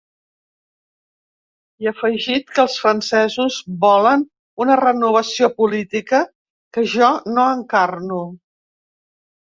I afegit que els francesos volen una renovació política que ‘jo no encarno’.